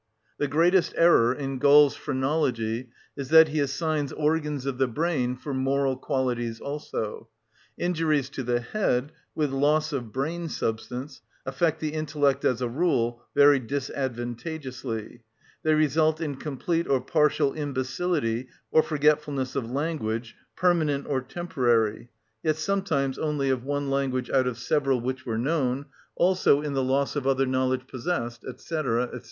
The greatest error in Gall's phrenology is that he assigns organs of the brain for moral qualities also. Injuries to the head, with loss of brain substance, affect the intellect as a rule very disadvantageously: they result in complete or partial imbecility or forgetfulness of language, permanent or temporary, yet sometimes only of one language out of several which were known, also in the loss of other knowledge possessed, &c., &c.